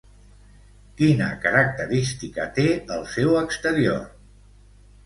Quina característica té el seu exterior?